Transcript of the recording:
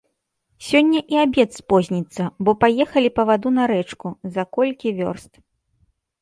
Сёння і абед спозніцца, бо паехалі па ваду на рэчку, за колькі вёрст.